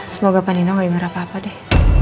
semoga panino gak denger apa apa deh